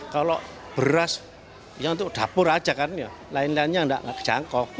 kalau beras ya untuk dapur aja kan lain lainnya tidak kejangkau